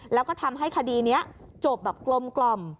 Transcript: แล้วก็ทำให้คดีนี้จบแบบกลม